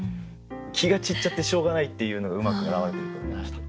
気が散っちゃってしょうがないっていうのがうまく表れてると思いました。